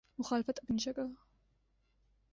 مخالفت اپنی جگہ۔